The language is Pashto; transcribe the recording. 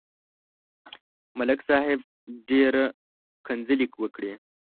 ملک صاحب ډېره کنځلې وکړې.